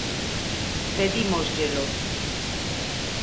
Pedímosllelo.